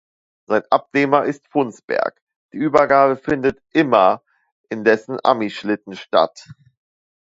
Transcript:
Sein Abnehmer ist Frundsberg, die Übergabe findet immer in dessen Ami-Schlitten statt.